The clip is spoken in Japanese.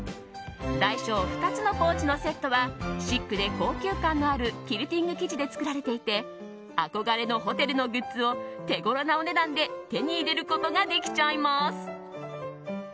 大小２つのポーチのセットはシックで高級感のあるキルティング生地で作られていて憧れのホテルのグッズを手頃なお値段で手に入れることができちゃいます。